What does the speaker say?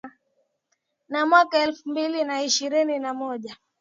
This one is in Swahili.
na mwaka elfu mbili na ishirini na moja